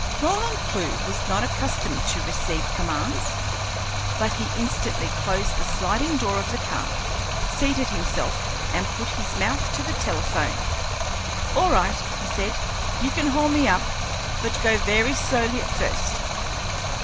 Roland Clewe was not accustomed to receive commands, but he instantly closed the sliding door of the car, seated himself, and put his mouth to the telephone. "All right," he said. "You can haul me up, but go very slowly at first."